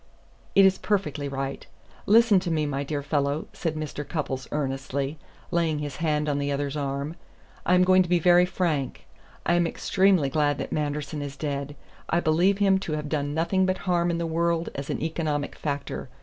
"It is perfectly right. Listen to me, my dear fellow," said Mr. Cupples earnestly, laying his hand on the other's arm. "I am going to be very frank. I am extremely glad that Manderson is dead. I believe him to have done nothing but harm in the world as an economic factor.